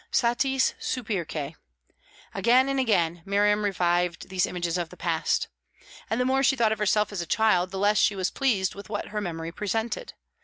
Satis superque. Again and again Miriam revived these images of the past. And the more she thought of herself as a child, the less was she pleased with what her memory presented.